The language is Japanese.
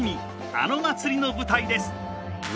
あの祭りの舞台です。